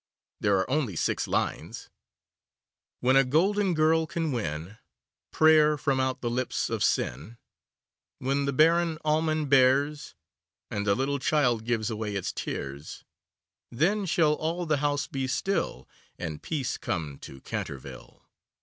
There are only six lines: When a golden girl can win Prayer from out the lips of sin, When the barren almond bears, And a little child gives away its tears, Then shall all the house be still And peace come to Canterville.